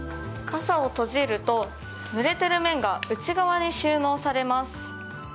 傘を閉じるとぬれている面が内側に収納されます。